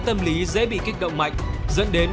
tâm lý dễ bị kích động mạnh dẫn đến